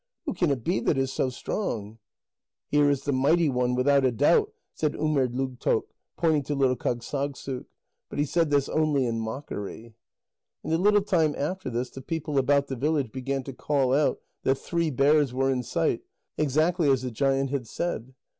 "Who can it be that is so strong?" "Here is the mighty one, without a doubt," said Umerdlugtoq, pointing to little Kâgssagssuk. But this he said only in mockery. And a little time after this, the people about the village began to call out that three bears were in sight exactly as the giant had said.